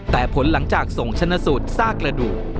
แต่ผลหลังจากส่งชนะสูตรซากระดูก